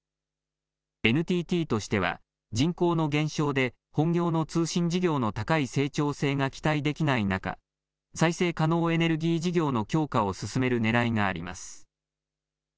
ＮＴＴとしては人口の減少で本業の通信事業の高い成長性が期待できない中、再生可能エネルギー事業の強化を進めるねらいがあります。